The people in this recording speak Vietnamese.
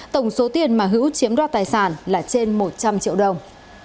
tổng số tiền mà hữu chiếm đo tài sản là trên một trăm linh triệu đồng